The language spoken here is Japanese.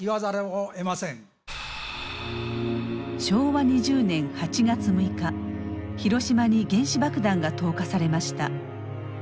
昭和２０年８月６日広島に原子爆弾が投下されました。